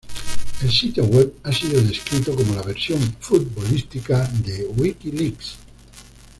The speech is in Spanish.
El sitio web ha sido descrito como la versión futbolística de WikiLeaks.